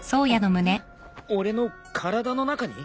えっ俺の体の中に？